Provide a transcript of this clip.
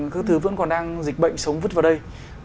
các thứ vẫn còn đang dịch bệnh sống vứt vào đây